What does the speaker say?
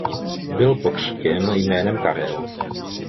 Byl pokřtěn jménem Karel.